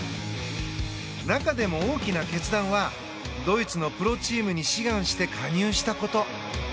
中でも大きな決断はドイツのプロチームに志願して加入したこと。